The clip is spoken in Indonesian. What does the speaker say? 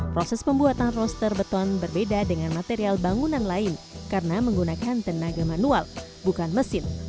proses pembuatan roster beton berbeda dengan material bangunan lain karena menggunakan tenaga manual bukan mesin